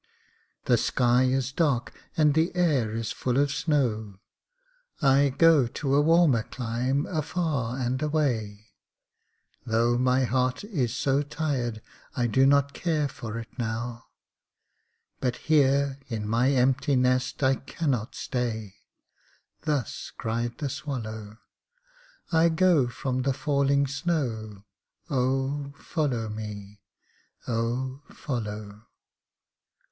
The sky is dark and the air is full of snow, I go to a warmer clime afar and away; Though my heart is so tired I do not care for it now, But here in my empty nest I cannot stay; Thus cried the swallow, I go from the falling snow, oh, follow me oh, follow.